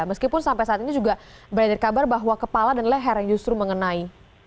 meskipun sampai saat ini juga beredar kabar bahwa kepala dan leher yang justru mengenai